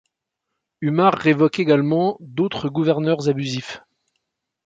ʿUmar révoque également d'autres gouverneurs abusifs.